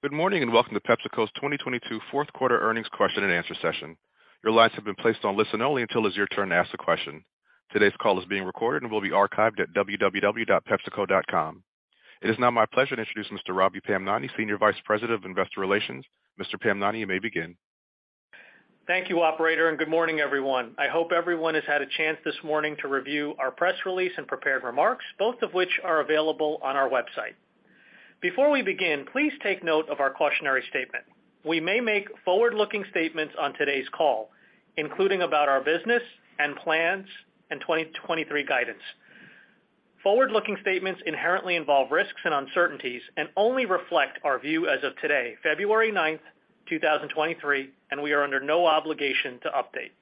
Good morning, welcome to PepsiCo's 2022 fourth quarter earnings question-and-answer session. Your lines have been placed on listen-only until it's your turn to ask a question. Today's call is being recorded and will be archived at www.pepsico.com. It is now my pleasure to introduce Mr. Ravi Pamnani, Senior Vice President of Investor Relations. Mr. Pamnani, you may begin. Thank you, operator, and good morning, everyone. I hope everyone has had a chance this morning to review our press release and prepared remarks, both of which are available on our website. Before we begin, please take note of our cautionary statement. We may make forward-looking statements on today's call, including about our business and plans and 2023 guidance. Forward-looking statements inherently involve risks and uncertainties and only reflect our view as of today, February 9, 2023, and we are under no obligation to update.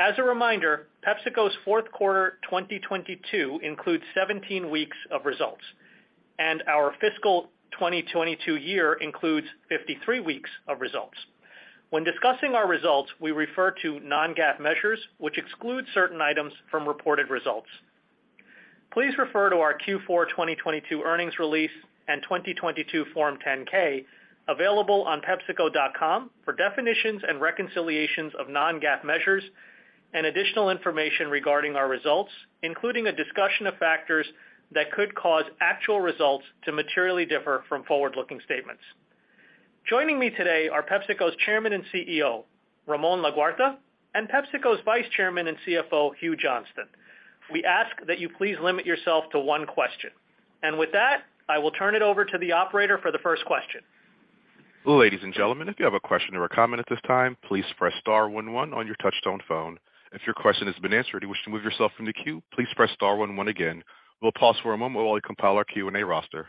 As a reminder, PepsiCo's fourth quarter 2022 includes 17 weeks of results, and our fiscal 2022 year includes 53 weeks of results. When discussing our results, we refer to non-GAAP measures, which exclude certain items from reported results. Please refer to our Q4 2022 earnings release and 2022 Form 10-K available on PepsiCo.com for definitions and reconciliations of non-GAAP measures and additional information regarding our results, including a discussion of factors that could cause actual results to materially differ from forward-looking statements. Joining me today are PepsiCo's Chairman and CEO, Ramon Laguarta, and PepsiCo's Vice Chairman and CFO, Hugh Johnston. We ask that you please limit yourself to one question. With that, I will turn it over to the operator for the first question. Ladies and gentlemen, if you have a question or a comment at this time, please press star one one on your touch-tone phone. If your question has been answered, you wish to move yourself from the queue, please press star one one again. We'll pause for a moment while we compile our Q&A roster.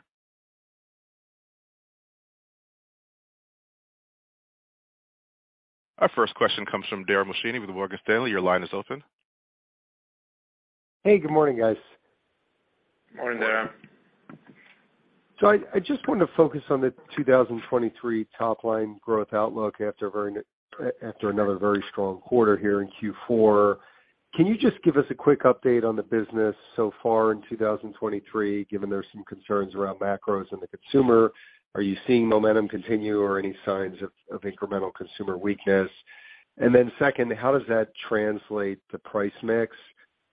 Our first question comes from Dara Mohsenian with Morgan Stanley. Your line is open. Hey, good morning, guys. Morning, Dara I just want to focus on the 2023 top line growth outlook after another very strong quarter here in Q4. Can you just give us a quick update on the business so far in 2023, given there are some concerns around macros and the consumer? Are you seeing momentum continue or any signs of incremental consumer weakness? Second, how does that translate to price mix?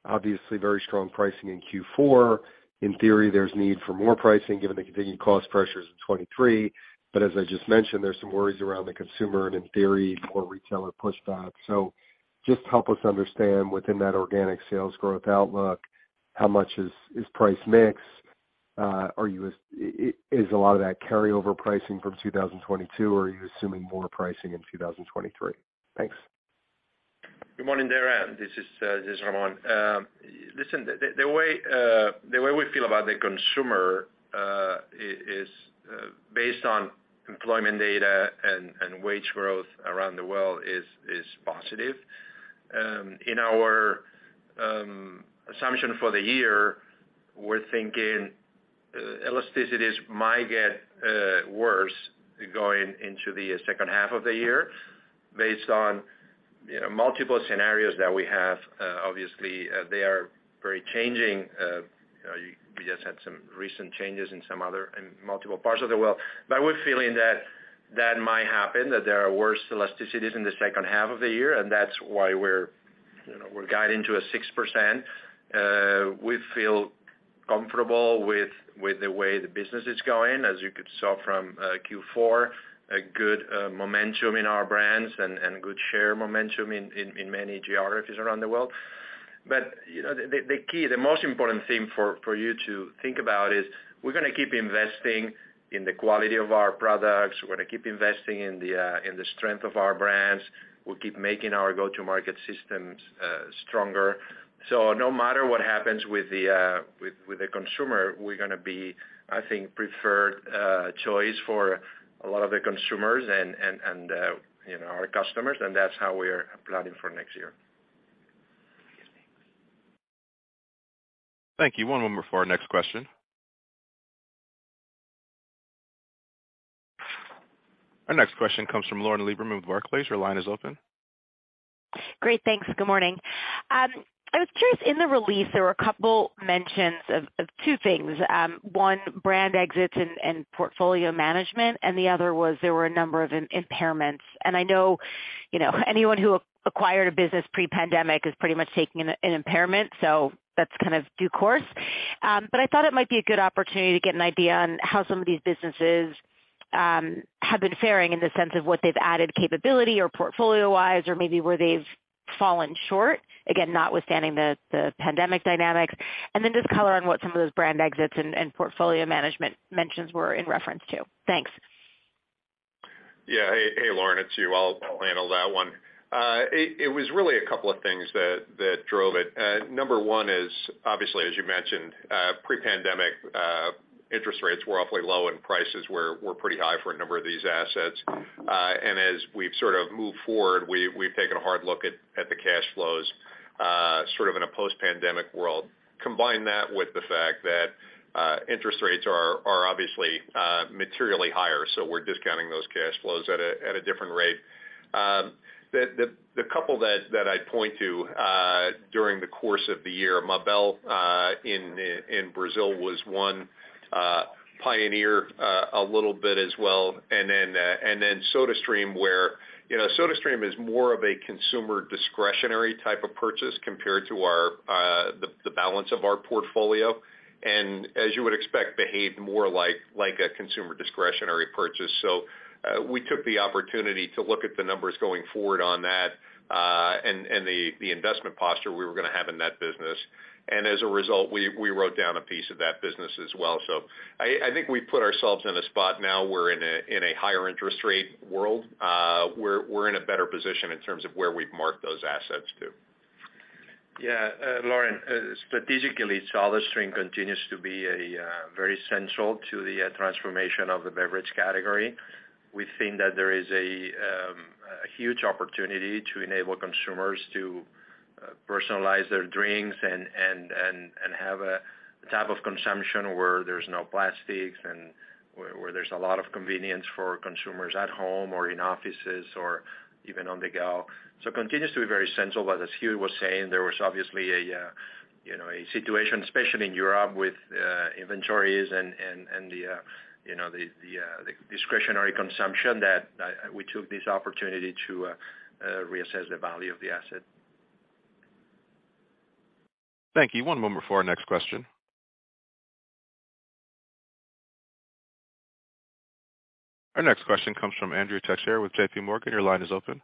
Obviously, very strong pricing in Q4. In theory, there's need for more pricing given the continued cost pressures in 2023. As I just mentioned, there's some worries around the consumer and in theory, more retailer pushback. Just help us understand within that organic sales growth outlook, how much is price mix? Is a lot of that carryover pricing from 2022, or are you assuming more pricing in 2023? Thanks. Good morning, Dara. This is Ramon. listen, the way we feel about the consumer is based on employment data and wage growth around the world is positive. In our assumption for the year, we're thinking elasticities might get worse going into the second half of the year based on, you know, multiple scenarios that we have. Obviously, they are very changing. You know, you just had some recent changes in multiple parts of the world. We're feeling that that might happen, that there are worse elasticities in the second half of the year, and that's why we're, you know, we're guiding to a 6%. We feel comfortable with the way the business is going, as you could saw from Q4, a good momentum in our brands and good share momentum in many geographies around the world. You know, the key, the most important thing for you to think about is we're gonna keep investing in the quality of our products. We're gonna keep investing in the strength of our brands. We'll keep making our go-to-market systems stronger. No matter what happens with the consumer, we're gonna be, I think, preferred choice for a lot of the consumers and, you know, our customers, and that's how we're planning for next year. Thank you. Thank you. One moment for our next question. Our next question comes from Lauren Lieberman with Barclays. Your line is open. Great. Thanks. Good morning. I was curious, in the release, there were a couple mentions of two things. One, brand exits and portfolio management, and the other was there were a number of impairments. I know, you know, anyone who acquired a business pre-pandemic is pretty much taking an impairment, so that's kind of due course. But I thought it might be a good opportunity to get an idea on how some of these businesses have been faring in the sense of what they've added capability or portfolio-wise or maybe where they've fallen short, again, notwithstanding the pandemic dynamics. Just color on what some of those brand exits and portfolio management mentions were in reference to. Thanks. Yeah. Hey, Lauren, it's Hugh. I'll handle that one. It was really a couple of things that drove it. Number one is, obviously, as you mentioned, pre-pandemic, interest rates were awfully low and prices were pretty high for a number of these assets. As we've sort of moved forward, we've taken a hard look at the cash flows sort of in a post-pandemic world. Combine that with the fact that interest rates are obviously materially higher, so we're discounting those cash flows at a different rate. The couple that I'd point to during the course of the year, Mabel in Brazil was one, Pioneer a little bit as well. Then SodaStream, where, you know, SodaStream is more of a consumer discretionary type of purchase compared to the balance of our portfolio. As you would expect, behaved more like a consumer discretionary purchase. We took the opportunity to look at the numbers going forward on that, and the investment posture we were gonna have in that business. As a result, we wrote down a piece of that business as well. I think we put ourselves in a spot now we're in a higher interest rate world, we're in a better position in terms of where we've marked those assets to. Yeah, Lauren, strategically, SodaStream continues to be very central to the transformation of the beverage category. We think that there is a huge opportunity to enable consumers to personalize their drinks and have a type of consumption where there's no plastics and where there's a lot of convenience for consumers at home or in offices or even on the go. Continues to be very central, but as Hugh was saying, there was obviously a, you know, a situation, especially in Europe, with inventories and the, you know, the discretionary consumption that we took this opportunity to reassess the value of the asset. Thank you. One moment for our next question. Our next question comes from Andrea Teixeira with JP Morgan. Your line is open.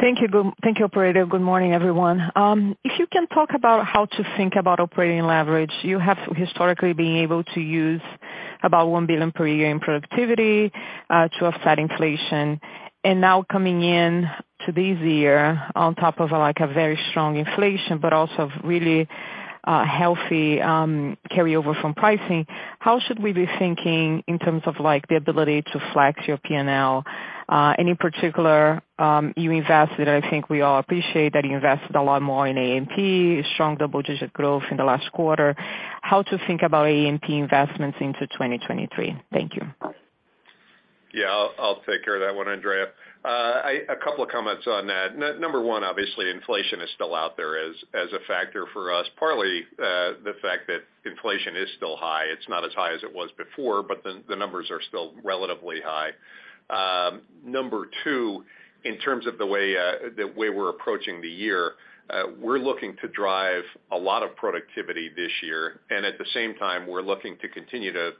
Thank you, thank you, operator. Good morning, everyone. If you can talk about how to think about operating leverage, you have historically been able to use about $1 billion per year in productivity to offset inflation. Now coming in to this year on top of, like, a very strong inflation, but also really healthy carryover from pricing, how should we be thinking in terms of, like, the ability to flex your P&L? In particular, you invested, I think we all appreciate that you invested a lot more in AMP, strong double-digit growth in the last quarter. How to think about AMP investments into 2023? Thank you. Yeah, I'll take care of that one, Andrea. A couple of comments on that. Number one, obviously inflation is still out there as a factor for us, partly, the fact that inflation is still high. It's not as high as it was before, but the numbers are still relatively high. Number two, in terms of the way we're approaching the year, we're looking to drive a lot of productivity this year. At the same time, we're looking to continue to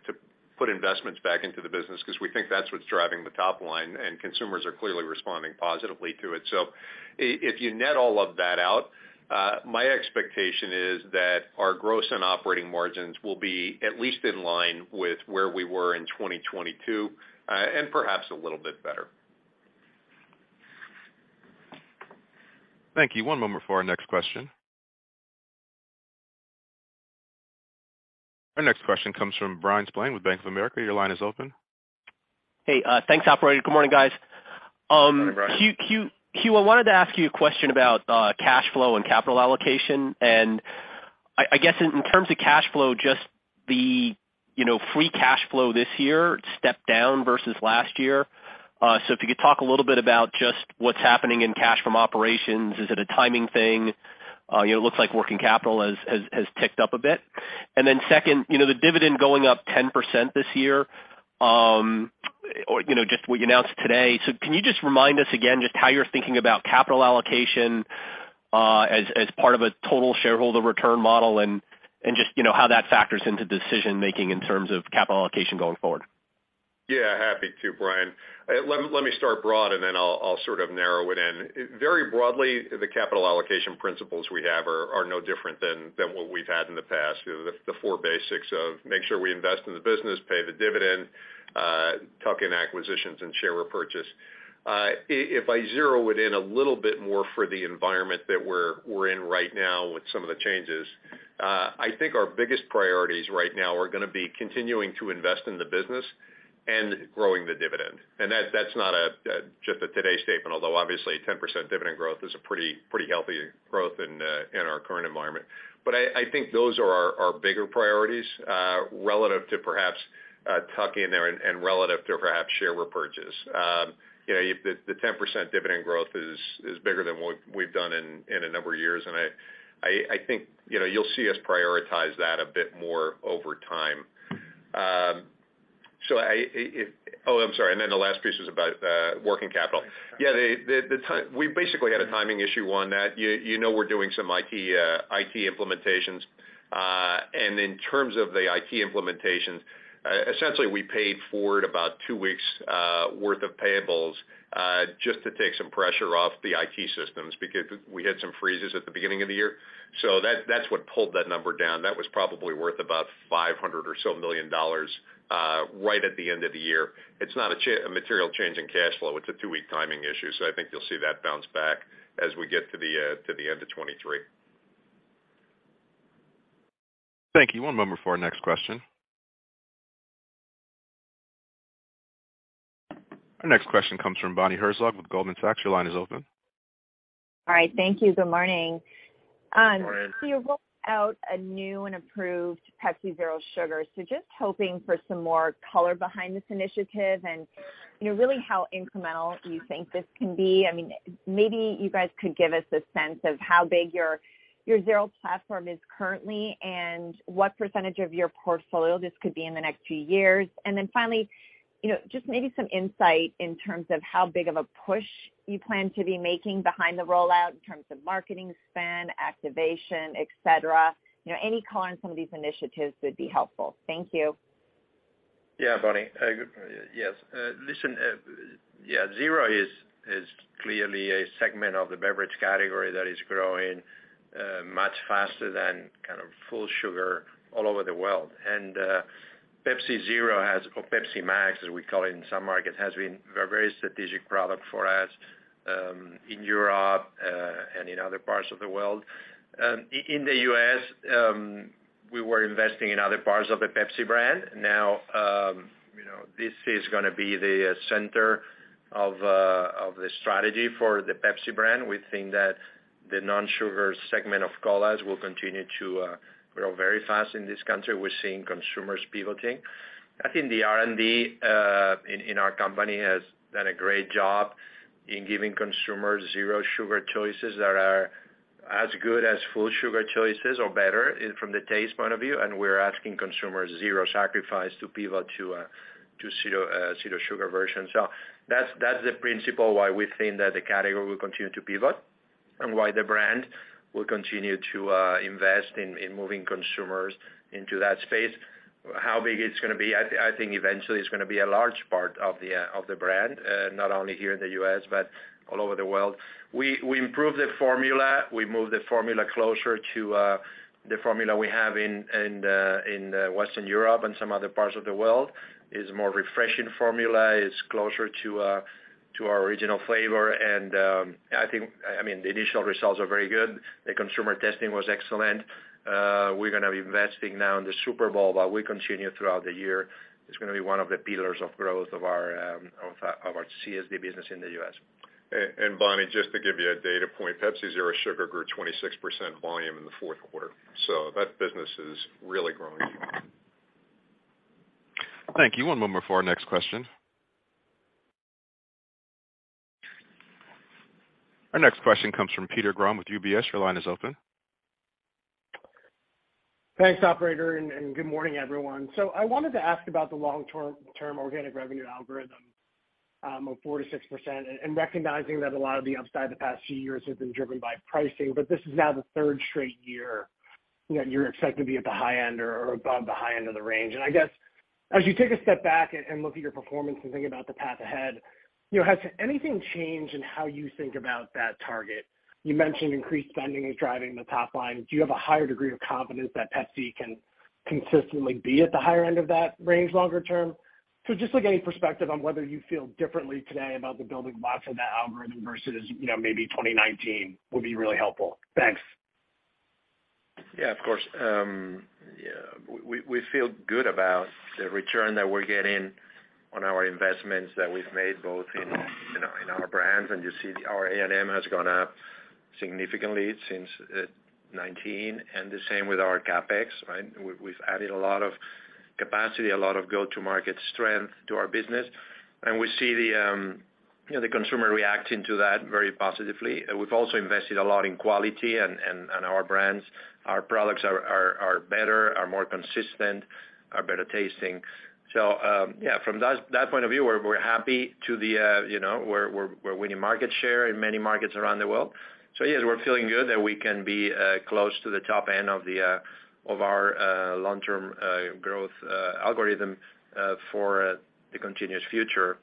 put investments back into the business 'cause we think that's what's driving the top line, and consumers are clearly responding positively to it. if you net all of that out, my expectation is that our gross and operating margins will be at least in line with where we were in 2022, and perhaps a little bit better. Thank you. One moment for our next question. Our next question comes from Bryan Spillane with Bank of America. Your line is open. Hey, thanks, operator. Good morning, guys. Morning, Bryan. Hugh, I wanted to ask you a question about cash flow and capital allocation. I guess in terms of cash flow, just the, you know, free cash flow this year stepped down versus last year. If you could talk a little bit about just what's happening in cash from operations, is it a timing thing? You know, it looks like working capital has ticked up a bit. Then second, you know, the dividend going up 10% this year, or, you know, just what you announced today. Can you just remind us again just how you're thinking about capital allocation, as part of a total shareholder return model and just, you know, how that factors into decision-making in terms of capital allocation going forward? Yeah, happy to, Bryan. Let me start broad, and then I'll sort of narrow it in. Very broadly, the capital allocation principles we have are no different than what we've had in the past. You know, the four basics of make sure we invest in the business, pay the dividend, tuck in acquisitions and share repurchase. If I zero it in a little bit more for the environment that we're in right now with some of the changes, I think our biggest priorities right now are gonna be continuing to invest in the business and growing the dividend. That's not a just a today statement, although obviously 10% dividend growth is a pretty healthy growth in our current environment. I think those are our bigger priorities relative to perhaps tuck in there and relative to perhaps share repurchase. You know, the 10% dividend growth is bigger than what we've done in a number of years, and I think, you know, you'll see us prioritize that a bit more over time. I'm sorry. Then the last piece was about working capital. Yeah, we basically had a timing issue on that. You know, we're doing some IT implementations. In terms of the IT implementations, essentially we paid forward about two weeks' worth of payables, just to take some pressure off the IT systems because we had some freezes at the beginning of the year. That's what pulled that number down. That was probably worth about $500 million, right at the end of the year. It's not a material change in cash flow, it's a two-week timing issue. I think you'll see that bounce back as we get to the end of 2023. Thank you. One moment for our next question. Our next question comes from Bonnie Herzog with Goldman Sachs. Your line is open. All right, thank you. Good morning. Good morning. You rolled out a new and improved Pepsi Zero Sugar. Just hoping for some more color behind this initiative and, you know, really how incremental you think this can be. I mean, maybe you guys could give us a sense of how big your Zero platform is currently and what percentage of your portfolio this could be in the next few years. Finally, you know, just maybe some insight in terms of how big of a push you plan to be making behind the rollout in terms of marketing spend, activation, et cetera. You know, any color on some of these initiatives would be helpful. Thank you. Yeah, Bonnie. Yes. Listen, yeah, Zero is clearly a segment of the beverage category that is growing much faster than kind of full sugar all over the world. Pepsi Zero has, or Pepsi Max, as we call it in some markets, has been a very strategic product for us, in Europe, and in other parts of the world. In the U.S., we were investing in other parts of the Pepsi brand. You know, this is gonna be the center of the strategy for the Pepsi brand. We think that the non-sugar segment of colas will continue to grow very fast in this country. We're seeing consumers pivoting. I think the R&D in our company has done a great job in giving consumers zero sugar choices that are as good as full sugar choices or better from the taste point of view. We're asking consumers zero sacrifice to pivot to zero sugar version. That's the principle why we think that the category will continue to pivot and why the brand will continue to invest in moving consumers into that space. How big it's gonna be, I think eventually it's gonna be a large part of the brand, not only here in the U.S., but all over the world. We improved the formula. We moved the formula closer to the formula we have in Western Europe and some other parts of the world. It's a more refreshing formula. It's closer to to our original flavor. I mean, the initial results are very good. The consumer testing was excellent. We're gonna be investing now in the Super Bowl. We continue throughout the year. It's gonna be one of the pillars of growth of our of our CSB business in the U.S. Bonnie, just to give you a data point, Pepsi Zero Sugar grew 26% volume in the fourth quarter. That business is really growing. Thank you. One moment for our next question. Our next question comes from Peter Grom with UBS. Your line is open. Thanks, operator, and good morning, everyone. I wanted to ask about the long-term organic revenue algorithm of 4%-6%, and recognizing that a lot of the upside the past few years has been driven by pricing. This is now the third straight year, you know, you're expecting to be at the high end or above the high end of the range. I guess, as you take a step back and look at your performance and think about the path ahead, you know, has anything changed in how you think about that target? You mentioned increased spending is driving the top line. Do you have a higher degree of confidence that Pepsi can consistently be at the higher end of that range longer term? Just like any perspective on whether you feel differently today about the building blocks of that algorithm versus, you know, maybe 2019 would be really helpful. Thanks. Yeah, of course. Yeah, we feel good about the return that we're getting on our investments that we've made both in, you know, in our brands, and you see our A&M has gone up significantly since 2019, and the same with our CapEx, right? We've added a lot of capacity, a lot of go-to-market strength to our business. We see the, you know, the consumer reacting to that very positively. We've also invested a lot in quality and our brands. Our products are better, are more consistent, are better tasting. Yeah, from that point of view, we're happy to the, you know, we're winning market share in many markets around the world. Yes, we're feeling good that we can be close to the top end of our long-term growth algorithm for the continuous future.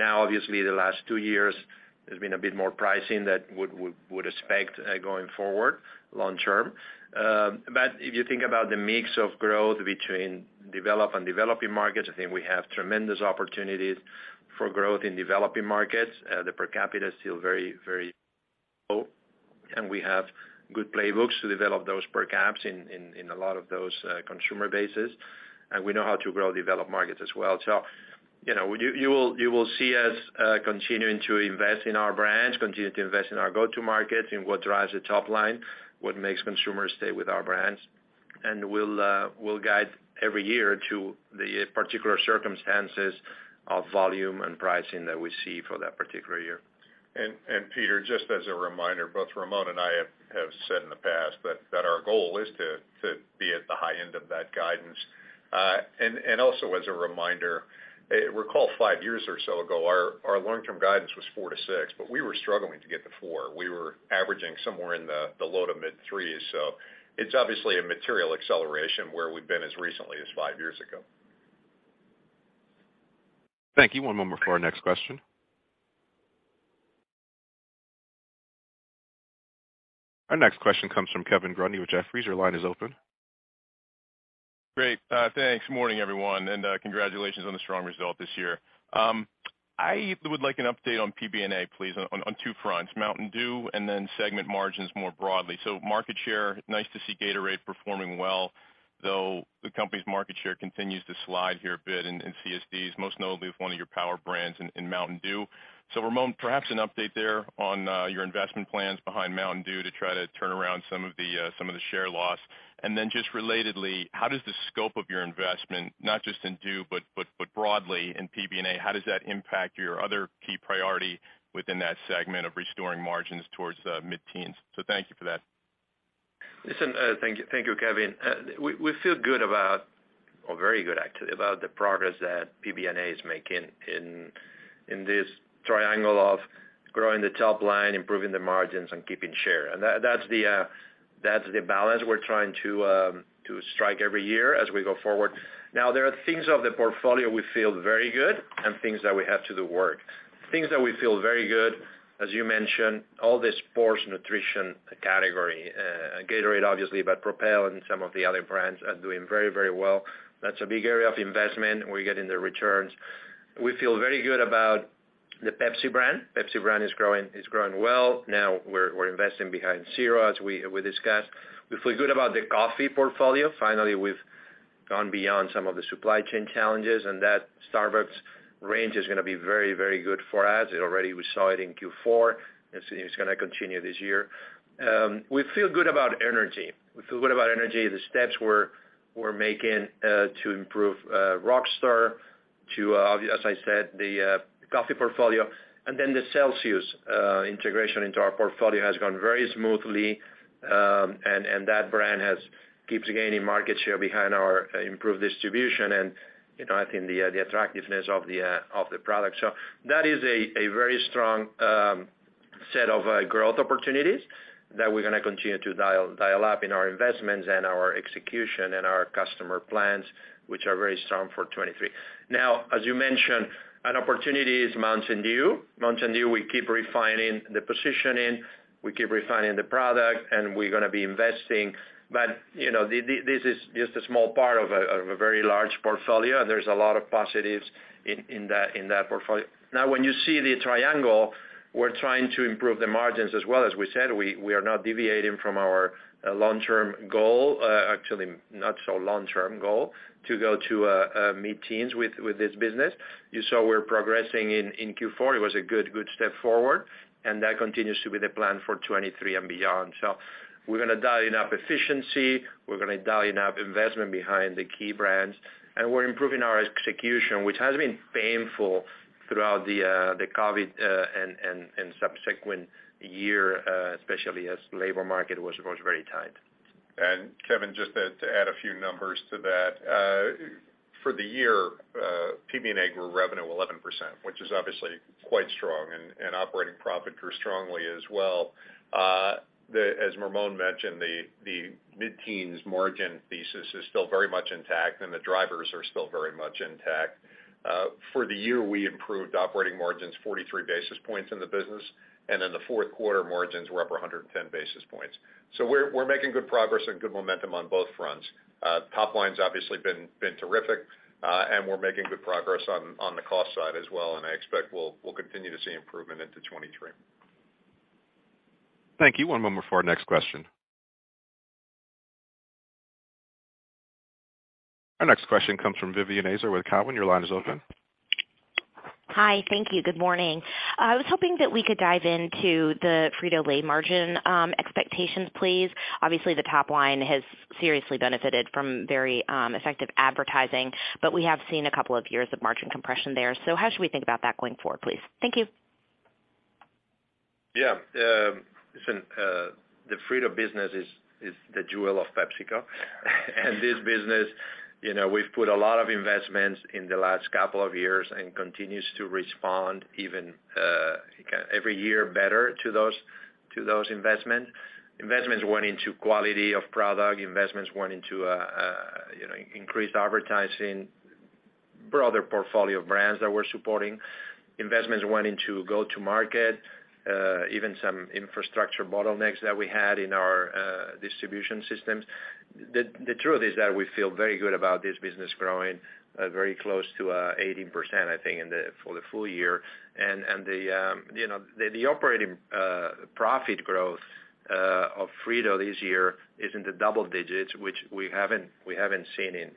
Obviously, the last two years has been a bit more pricing that we would expect going forward long term. If you think about the mix of growth between developed and developing markets, I think we have tremendous opportunities for growth in developing markets. The per capita is still very, very low, and we have good playbooks to develop those per caps in a lot of those consumer bases. We know how to grow developed markets as well. You know, you will see us continuing to invest in our brands, continue to invest in our go-to-markets and what drives the top line, what makes consumers stay with our brands. We'll guide every year to the particular circumstances of volume and pricing that we see for that particular year. Peter, just as a reminder, both Ramon and I have said in the past that our goal is to be at the high end of that guidance. As a reminder, recall five years or so ago, our long-term guidance was four to six, but we were struggling to get to four. We were averaging somewhere in the low to mid 3s. It's obviously a material acceleration where we've been as recently as five years ago. Thank you. One moment for our next question. Our next question comes from Kevin Grundy with Jefferies. Your line is open. Great. Thanks. Morning, everyone, congratulations on the strong result this year. I would like an update on PB&A, please, on two fronts, Mountain Dew and then segment margins more broadly. Market share, nice to see Gatorade performing well, though the company's market share continues to slide here a bit in CSDs, most notably with one of your power brands in Mountain Dew. Ramon, perhaps an update there on your investment plans behind Mountain Dew to try to turn around some of the share loss. Then just relatedly, how does the scope of your investment, not just in Dew, but broadly in PB&A, how does that impact your other key priority within that segment of restoring margins towards mid-teens? Thank you for that. Listen, thank you, Kevin. We feel good about, or very good actually, about the progress that PB&A is making in this triangle of growing the top line, improving the margins and keeping share. That's the balance we're trying to strike every year as we go forward. Now, there are things of the portfolio we feel very good and things that we have to do work. Things that we feel very good, as you mentioned, all the sports nutrition category, Gatorade obviously, but Propel and some of the other brands are doing very, very well. That's a big area of investment, and we're getting the returns. We feel very good about the Pepsi brand. Pepsi brand is growing well. Now we're investing behind Zero, as we discussed. We feel good about the coffee portfolio. Finally, we've gone beyond some of the supply chain challenges, and that Starbucks range is gonna be very, very good for us. We saw it in Q4, and it's gonna continue this year. We feel good about energy. We feel good about energy, the steps we're making to improve Rockstar as I said, the coffee portfolio, and then the Celsius integration into our portfolio has gone very smoothly, and that brand has keeps gaining market share behind our improved distribution and, you know, I think the attractiveness of the product. That is a very strong set of growth opportunities that we're gonna continue to dial up in our investments and our execution and our customer plans, which are very strong for 2023. As you mentioned, an opportunity is Mountain Dew. Mountain Dew, we keep refining the positioning, we keep refining the product, and we're gonna be investing. You know, this is just a small part of a very large portfolio. There's a lot of positives in that portfolio. When you see the triangle, we're trying to improve the margins as well. As we said, we are not deviating from our long-term goal, actually not so long term goal, to go to mid-teens with this business. You saw we're progressing in Q4. It was a good step forward. That continues to be the plan for 2023 and beyond. We're gonna dial in up efficiency. We're gonna dial in up investment behind the key brands. We're improving our execution, which has been painful throughout the COVID and subsequent year, especially as labor market was very tight. Kevin, just to add a few numbers to that. For the year, PB&A grew revenue 11%, which is obviously quite strong, and operating profit grew strongly as well. As Ramon mentioned, the mid-teens margin thesis is still very much intact, and the drivers are still very much intact. For the year, we improved operating margins 43 basis points in the business, and in the fourth quarter, margins were up 110 basis points. We're making good progress and good momentum on both fronts. Top line's obviously been terrific, and we're making good progress on the cost side as well, and I expect we'll continue to see improvement into 2023. Thank you. One moment for our next question. Our next question comes from Vivien Azer with Cowen. Your line is open. Hi. Thank you. Good morning. I was hoping that we could dive into the Frito-Lay margin expectations, please. Obviously, the top line has seriously benefited from very effective advertising, but we have seen a couple of years of margin compression there. How should we think about that going forward, please? Thank you. Yeah. Listen, the Frito business is the jewel of PepsiCo. This business, you know, we've put a lot of investments in the last couple of years and continues to respond even every year better to those investments. Investments went into quality of product. Investments went into, you know, increased advertising for other portfolio brands that we're supporting. Investments went into go-to-market, even some infrastructure bottlenecks that we had in our distribution systems. The truth is that we feel very good about this business growing very close to 18%, I think, for the full year. The, you know, the operating profit growth of Frito this year is in the double digits, which we haven't seen in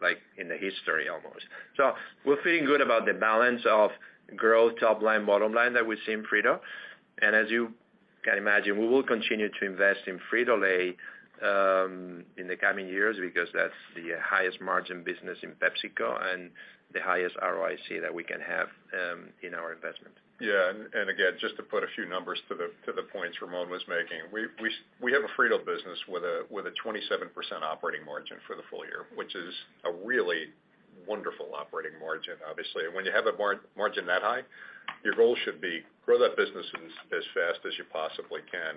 like, in the history almost. We're feeling good about the balance of growth, top line, bottom line that we see in Frito. As you can imagine, we will continue to invest in Frito-Lay in the coming years because that's the highest margin business in PepsiCo and the highest ROIC that we can have in our investment. Yeah. And again, just to put a few numbers to the points Ramon was making, we have a Frito business with a 27% operating margin for the full year, which is a really wonderful operating margin, obviously. When you have a margin that high, your goal should be grow that business as fast as you possibly can.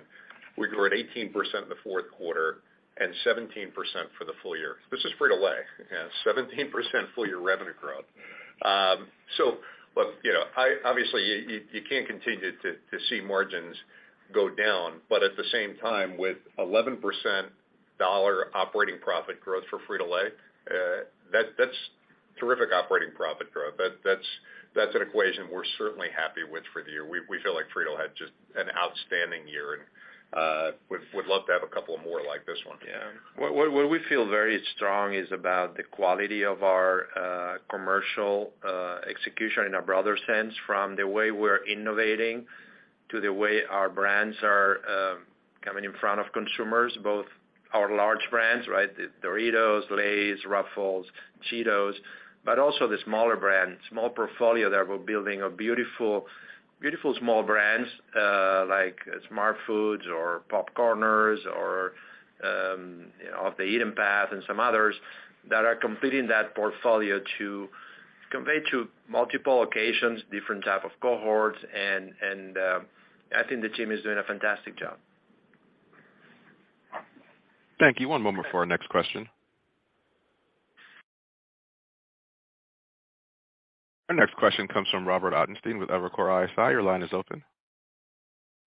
We grew at 18% in the fourth quarter and 17% for the full year. This is Frito-Lay. Yeah, 17% full year revenue growth. So look, you know, obviously you can't continue to see margins go down, but at the same time, with 11% dollar operating profit growth for Frito-Lay, that's terrific operating profit growth. That's an equation we're certainly happy with for the year. We feel like Frito had just an outstanding year and we'd love to have a couple of more like this one. Yeah. Where we feel very strong is about the quality of our commercial execution in a broader sense from the way we're innovating to the way our brands are coming in front of consumers, both our large brands, right, the Doritos, Lay's, Ruffles, Cheetos, but also the smaller brands, small portfolio that we're building of beautiful small brands, like Smartfood or PopCorners or Off The Eaten Path and some others that are completing that portfolio to convey to multiple occasions, different type of cohorts. I think the team is doing a fantastic job. Thank you. One moment for our next question. Our next question comes from Robert Ottenstein with Evercore ISI. Your line is open.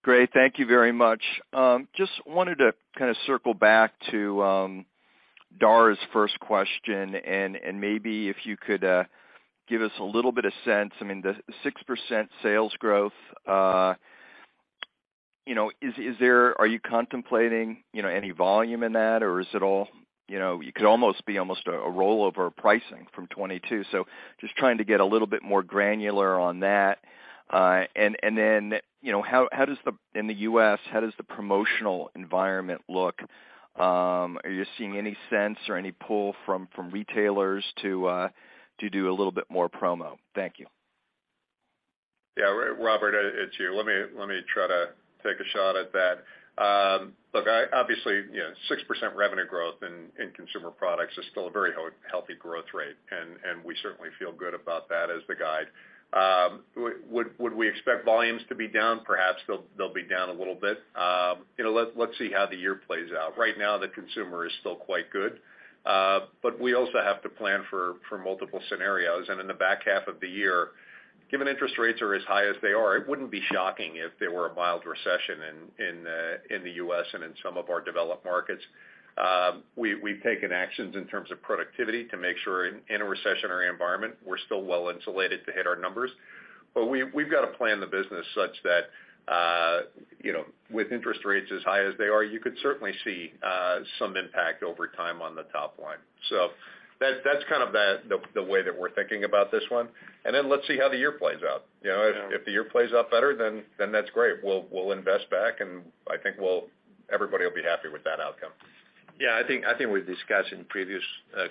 Great. Thank you very much. Just wanted to kind of circle back to Dara's first question and maybe if you could give us a little bit of sense. I mean, the 6% sales growth, you know, are you contemplating, you know, any volume in that, or is it all, you know, it could almost be almost a rollover pricing from 22. Just trying to get a little bit more granular on that. You know, in the U.S., how does the promotional environment look? Are you seeing any sense or any pull from retailers to do a little bit more promo? Thank you. Yeah. Robert, it's Hugh. Let me try to take a shot at that. Look, obviously, you know, 6% revenue growth in consumer products is still a very healthy growth rate, and we certainly feel good about that as the guide. Would we expect volumes to be down? Perhaps they'll be down a little bit. You know, let's see how the year plays out. Right now, the consumer is still quite good, but we also have to plan for multiple scenarios. In the back half of the year, given interest rates are as high as they are, it wouldn't be shocking if there were a mild recession in the U.S. and in some of our developed markets. We've taken actions in terms of productivity to make sure in a recessionary environment, we're still well insulated to hit our numbers. We've got to plan the business such that, you know, with interest rates as high as they are, you could certainly see some impact over time on the top line. That's kind of the way that we're thinking about this one. Let's see how the year plays out. You know, if the year plays out better, then that's great. We'll invest back, and I think we'll everybody will be happy with that outcome. Yeah, I think we've discussed in previous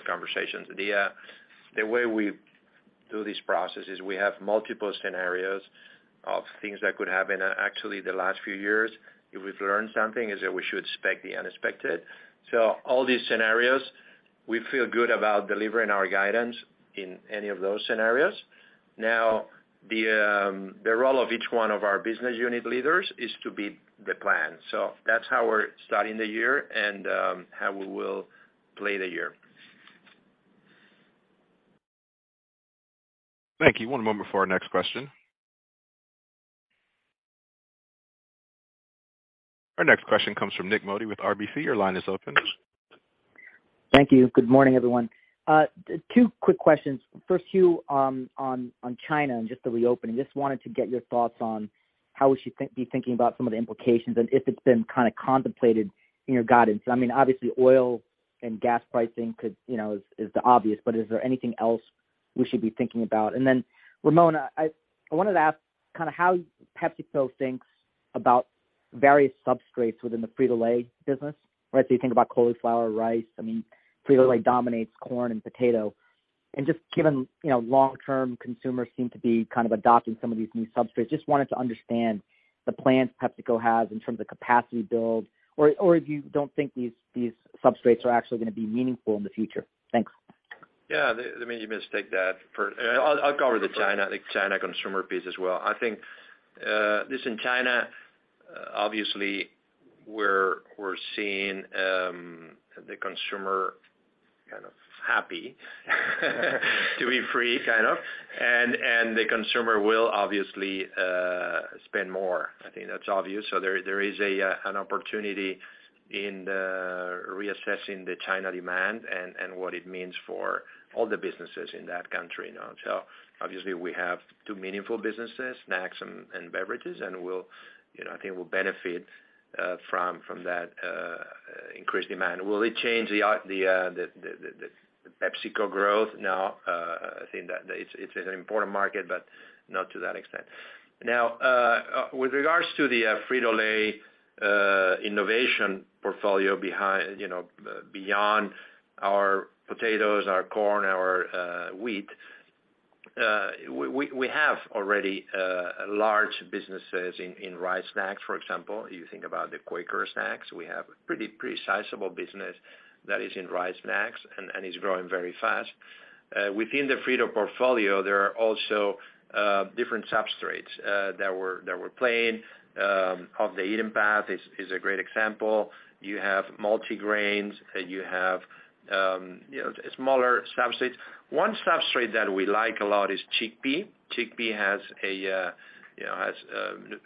conversations, the way we do this process is we have multiple scenarios of things that could happen. Actually, the last few years, if we've learned something is that we should expect the unexpected. All these scenarios, we feel good about delivering our guidance in any of those scenarios. The role of each one of our business unit leaders is to beat the plan. That's how we're starting the year and how we will play the year. Thank you. One moment for our next question. Our next question comes from Nik Modi with RBC. Your line is open. Thank you. Good morning, everyone. Two quick questions. First to you, on China and just the reopening. Just wanted to get your thoughts on how we should be thinking about some of the implications and if it's been kind of contemplated in your guidance. I mean, obviously oil and gas pricing could, you know, is the obvious, but is there anything else we should be thinking about? Ramon, I wanted to ask kind of how PepsiCo thinks about various substrates within the Frito-Lay business. Right? You think about cauliflower, rice. I mean, Frito-Lay dominates corn and potato. Just given, you know, long-term consumers seem to be kind of adopting some of these new substrates. Just wanted to understand the plans PepsiCo has in terms of capacity build or if you don't think these substrates are actually gonna be meaningful in the future. Thanks. Yeah, let me just take that. I'll cover the China consumer piece as well. I think, listen, China, obviously we're seeing the consumer kind of happy to be free kind of, and the consumer will obviously spend more. I think that's obvious. There is an opportunity in reassessing the China demand and what it means for all the businesses in that country now. Obviously we have two meaningful businesses, snacks and beverages, and we'll, you know, I think we'll benefit from that increased demand. Will it change the PepsiCo growth? No, I think that it's an important market, but not to that extent. With regards to the Frito-Lay innovation portfolio behind, you know, beyond our potatoes, our corn, our wheat, we have already large businesses in rice snacks, for example. You think about the Quaker snacks. We have pretty sizable business that is in rice snacks and is growing very fast. Within the Frito portfolio, there are also different substrates that we're playing. Off The Eaten Path is a great example. You have multi-grains, you have, you know, smaller substrates. One substrate that we like a lot is chickpea. Chickpea has a, you know, has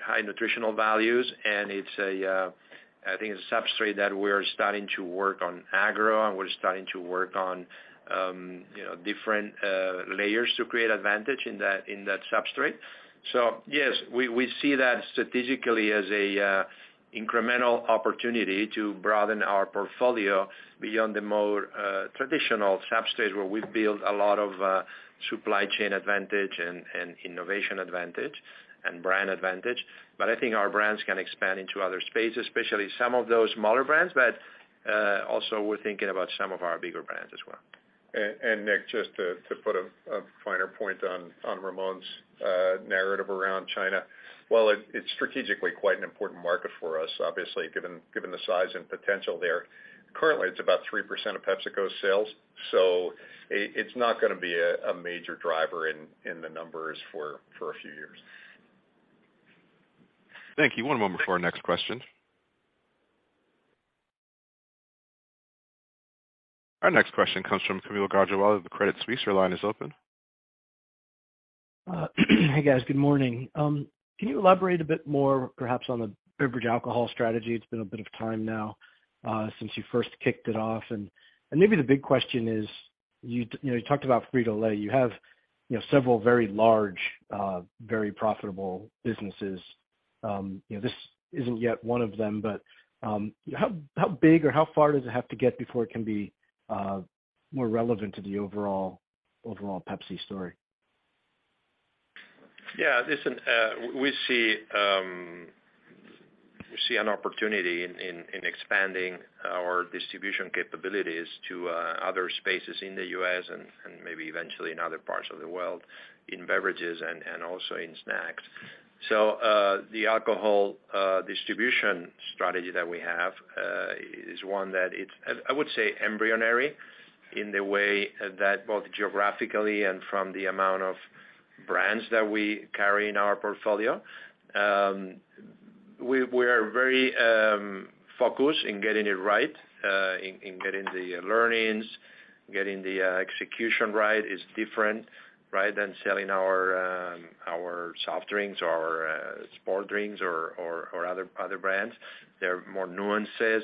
high nutritional values, and it's a, I think it's a substrate that we're starting to work on agro, and we're starting to work on, you know, different layers to create advantage in that, in that substrate. Yes, we see that strategically as a incremental opportunity to broaden our portfolio beyond the more traditional sub-stage, where we've built a lot of supply chain advantage and innovation advantage and brand advantage. I think our brands can expand into other spaces, especially some of those smaller brands. Also we're thinking about some of our bigger brands as well. Nik, just to put a finer point on Ramon's narrative around China. While it's strategically quite an important market for us, obviously, given the size and potential there. Currently it's about 3% of PepsiCo's sales, so it's not gonna be a major driver in the numbers for a few years. Thank you. One moment for our next question. Our next question comes from Kaumil Gajrawala. The Credit Suisse line is open. Hi guys, good morning. Can you elaborate a bit more perhaps on the beverage alcohol strategy? It's been a bit of time now, since you first kicked it off, and maybe the big question is, you know, you talked about Frito-Lay. You have, you know, several very large, very profitable businesses. You know, this isn't yet one of them, but, how big or how far does it have to get before it can be, more relevant to the overall Pepsi story? Yeah. Listen, we see, we see an opportunity in expanding our distribution capabilities to other spaces in the U.S. and maybe eventually in other parts of the world in beverages and also in snacks. The alcohol distribution strategy that we have is one that it's, I would say, embryonic in the way that both geographically and from the amount of brands that we carry in our portfolio. We're very focused in getting it right, in getting the learnings, getting the execution right is different, right, than selling our soft drinks or sport drinks or other brands. There are more nuances,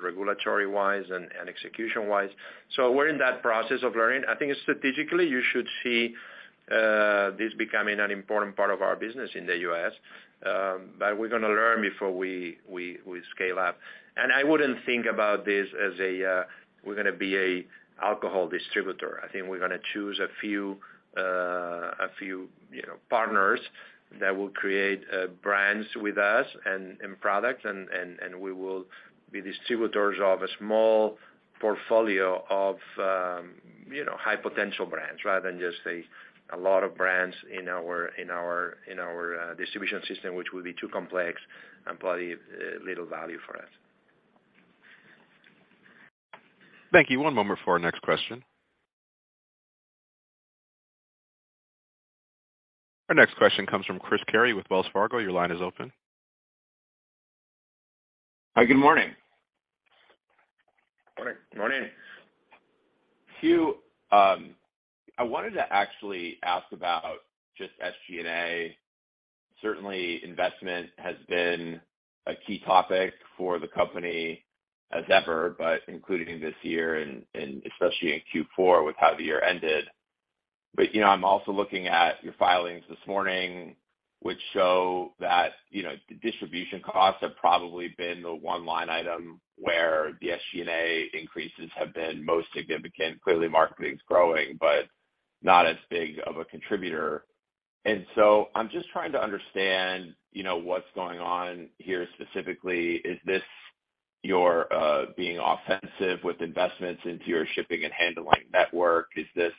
regulatory-wise and execution-wise. We're in that process of learning. I think strategically, you should see this becoming an important part of our business in the U.S. We're gonna learn before we scale up. I wouldn't think about this as we're gonna be an alcohol distributor. I think we're gonna choose a few, you know, partners that will create brands with us and products, and we will be distributors of a small portfolio of, you know, high potential brands rather than just a lot of brands in our distribution system, which will be too complex and probably little value for us. Thank you. One moment for our next question. Our next question comes from Chris Carey with Wells Fargo. Your line is open. Hi, good morning. Morning. Morning. Hugh, I wanted to actually ask about just SG&A. Certainly, investment has been a key topic for the company as ever, but including this year and especially in Q4 with how the year ended. You know, I'm also looking at your filings this morning, which show that, you know, the distribution costs have probably been the one line item where the SG&A increases have been most significant. Clearly, marketing's growing, but not as big of a contributor. I'm just trying to understand, you know, what's going on here specifically. Is this your being offensive with investments into your shipping and handling network? Is this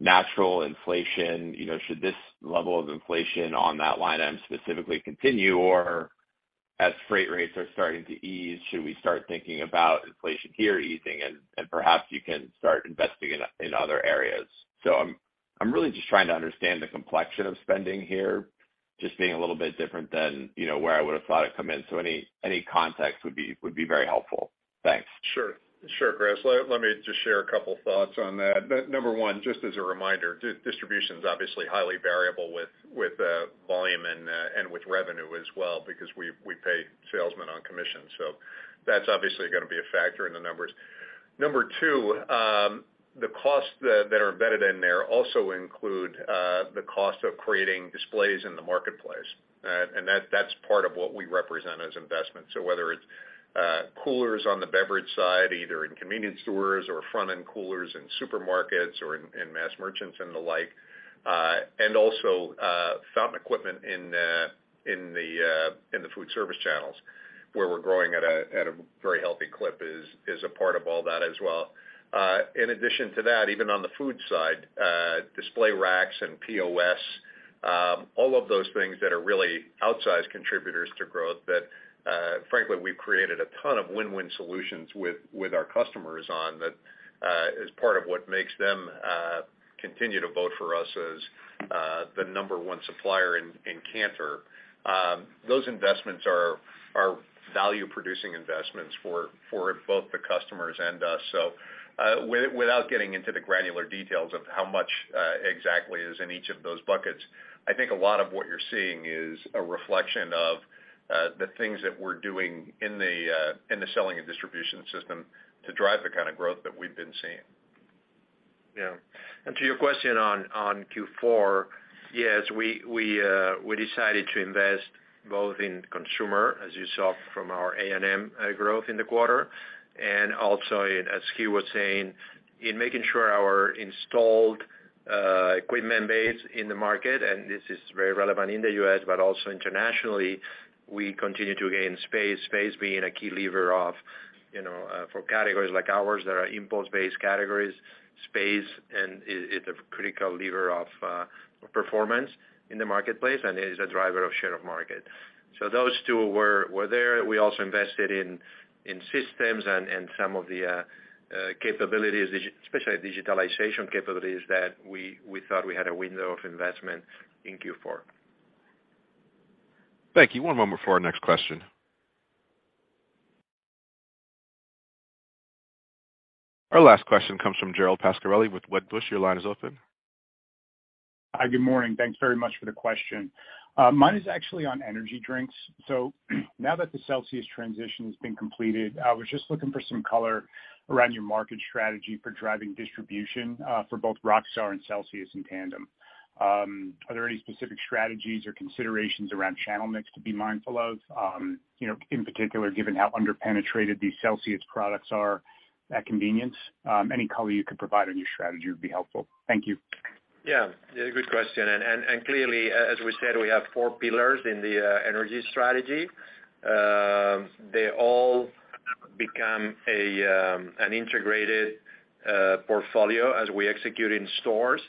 natural inflation? You know, should this level of inflation on that line item specifically continue? As freight rates are starting to ease, should we start thinking about inflation here easing and perhaps you can start investing in other areas? I'm really just trying to understand the complexion of spending here just being a little bit different than, you know, where I would have thought it'd come in. Any context would be very helpful. Thanks. Sure. Sure, Chris. Let me just share a couple thoughts on that. Number one, just as a reminder, distribution's obviously highly variable with volume and with revenue as well because we pay salesmen on commission. That's obviously gonna be a factor in the numbers. Number two, the costs that are embedded in there also include the cost of creating displays in the marketplace. That's part of what we represent as investments. So whether it's coolers on the beverage side, either in convenience stores or front-end coolers in supermarkets or in mass merchants and the like. Also fountain equipment in the food service channels where we're growing at a very healthy clip is a part of all that as well. In addition to that, even on the food side, display racks and POS, all of those things that are really outsized contributors to growth that, frankly, we've created a ton of win-win solutions with our customers on that, is part of what makes them continue to vote for us as the number one supplier in Kantar. Those investments are value producing investments for both the customers and us. Without getting into the granular details of how much exactly is in each of those buckets, I think a lot of what you're seeing is a reflection of the things that we're doing in the in the selling and distribution system to drive the kind of growth that we've been seeing. To your question on Q4, yes, we decided to invest both in consumer, as you saw from our A&M growth in the quarter, and also in, as Hugh was saying, in making sure our installed equipment base in the market, and this is very relevant in the U.S., but also internationally, we continue to gain space. Space being a key lever of, you know, for categories like ours that are impulse-based categories, space is a critical lever of performance in the marketplace, and it is a driver of share of market. Those two were there. We also invested in systems and some of the capabilities, especially digitalization capabilities that we thought we had a window of investment in Q4. Thank you. One moment before our next question. Our last question comes from Gerald Pascarelli with Wedbush. Your line is open. Hi, good morning. Thanks very much for the question. Mine is actually on energy drinks. Now that the Celsius transition has been completed, I was just looking for some color around your market strategy for driving distribution for both Rockstar and Celsius in tandem. Are there any specific strategies or considerations around channel mix to be mindful of, you know, in particular, given how under-penetrated these Celsius products are at convenience? Any color you could provide on your strategy would be helpful. Thank you. Yeah. Yeah, good question. Clearly, as we said, we have four pillars in the energy strategy. They all become an integrated portfolio as we execute in stores.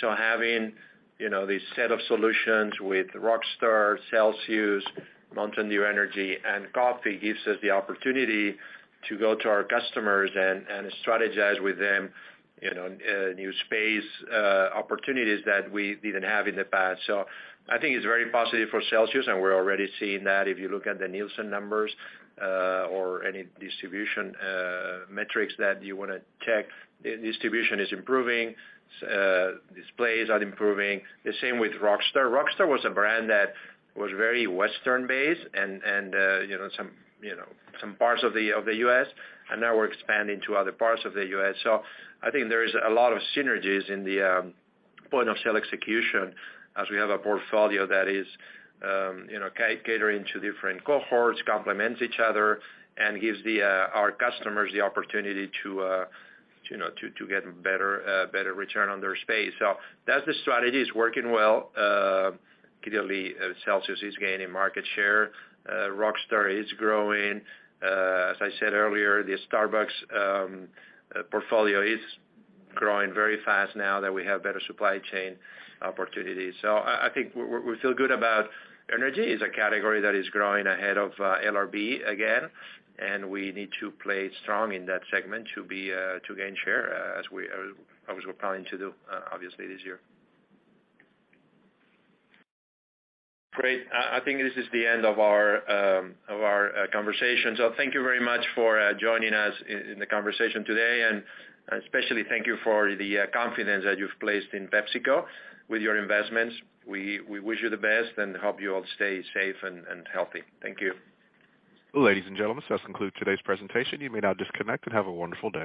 Having, you know, this set of solutions with Rockstar, Celsius, Mountain Dew Energy and coffee gives us the opportunity to go to our customers and strategize with them, you know, new space opportunities that we didn't have in the past. I think it's very positive for Celsius, and we're already seeing that if you look at the Nielsen numbers or any distribution metrics that you wanna check. The distribution is improving. Displays are improving. The same with Rockstar. Rockstar was a brand that was very Western based and, you know, some parts of the U.S. Now we're expanding to other parts of the U.S. I think there is a lot of synergies in the point of sale execution as we have a portfolio that is, you know, catering to different cohorts, complements each other, and gives our customers the opportunity to, you know, to get better return on their space. That's the strategy. It's working well. Clearly, Celsius is gaining market share. Rockstar is growing. As I said earlier, the Starbucks portfolio is growing very fast now that we have better supply chain opportunities. I think we feel good about energy. It's a category that is growing ahead of LRB again. We need to play strong in that segment to be to gain share as we're planning to do obviously this year. Great. I think this is the end of our of our conversation. Thank you very much for joining us in the conversation today. Especially thank you for the confidence that you've placed in PepsiCo with your investments. We wish you the best and hope you all stay safe and healthy. Thank you. Ladies and gentlemen, this concludes today's presentation. You may now disconnect and have a wonderful day.